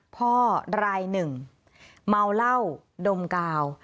รายหนึ่งเมาเหล้าดมกาว